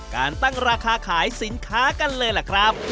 การตั้งราคาขายสินค้ากันเลยล่ะครับ